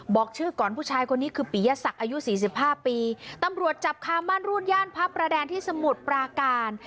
บอกชื่อก่อนผู้ชายคนนี้คือปียศักดิ์อายุสี่สิบห้าปีตำรวจจับคาม่านรูดย่านพระประแดงที่สมุทรปราการ